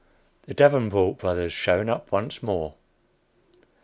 THE DAVENPORT BROTHERS SHOWN UP ONCE MORE.